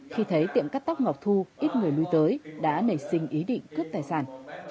khi thấy tiệm cắt tóc ngọc thu ít người lui tới đã nảy sinh ý định cướp tài sản